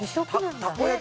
たこ焼き。